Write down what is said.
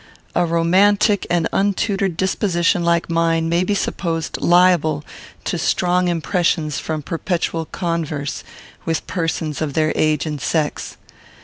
A romantic and untutored disposition like mine may be supposed liable to strong impressions from perpetual converse with persons of their age and sex.